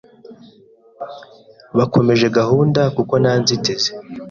Bakomeje gahunda kuko nta nzitizi.